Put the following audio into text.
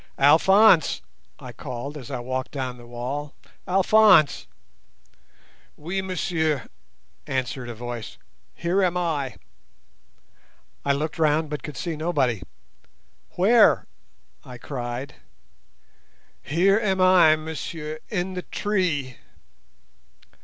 "Alphonse," I called, as I walked down the wall. "Alphonse!" "Oui, monsieur," answered a voice. "Here am I." I looked round but could see nobody. "Where?" I cried. "Here am I, monsieur, in the tree."